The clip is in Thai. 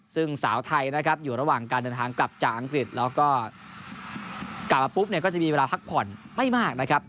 ซึ่งสาวไทยนะครับอยู่ระหว่างการเดินทางกลับจากอังกฤษแล้วก็กลับมาปุ๊บเนี่ยก็จะมีเวลาพักผ่อนไม่มากนะครับ